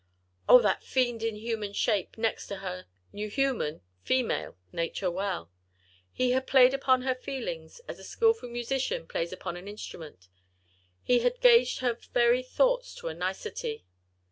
Oh! that fiend in human shape, next to her, knew human—female—nature well. He had played upon her feelings as a skilful musician plays upon an instrument. He had gauged her very thoughts to a nicety.